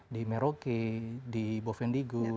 di merauke di bovendigul